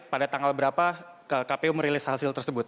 pada tanggal berapa kpu merilis hasil tersebut